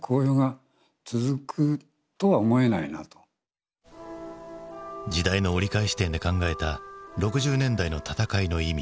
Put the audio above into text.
つまりあの時代の折り返し点で考えた６０年代の闘いの意味。